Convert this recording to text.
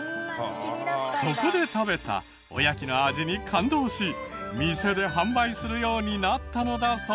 そこで食べたおやきの味に感動し店で販売するようになったのだそう。